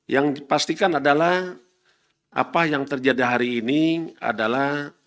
yang dipastikan adalah apa yang terjadi hari ini adalah